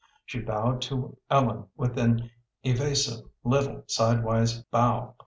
She bowed to Ellen with an evasive, little, sidewise bow.